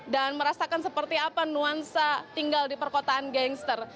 dan merasakan seperti apa nuansa tinggal di perkotaan gangster